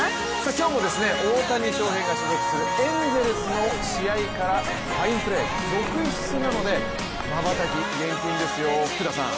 今日も大谷翔平選手が所属するエンゼルスの試合から、ファインプレー続出なのでまばたき厳禁ですよ、福田さん。